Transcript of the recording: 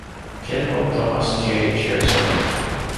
General Thomas J. Churchill.